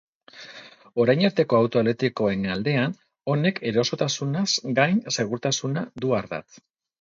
Orain arteko auto elektrikoen aldean, honek erosotasunaz gain, segurtasuna du ardatz.